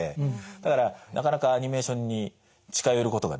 だからなかなかアニメーションに近寄ることができなくて。